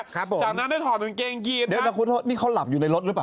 ครับผมจากนั้นได้ถอดกางเกงกีดเดี๋ยวจะขอโทษนี่เขาหลับอยู่ในรถหรือเปล่า